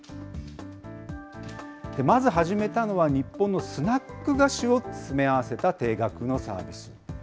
まず始めたのは、日本のスナック菓子を詰め合わせた定額のサービス。